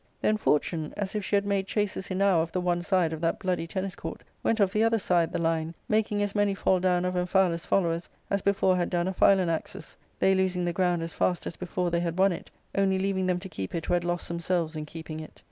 Then Fortune, as if she had made chases enow of the one side of that bloody tenniscourt, went of the other side the line, making as many fall down of Am phialus' followers as before had done of Philanax's, they losing the ground as fast as before they had won it, only leaving them to keep it who had lost themselves in keeping it.